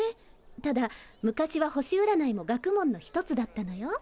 ただ昔は星うらないも学問の一つだったのよ。